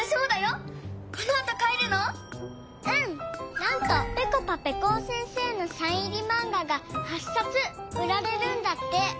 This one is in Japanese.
なんかぺこぱぺこお先生のサイン入りマンガが８さつうられるんだって。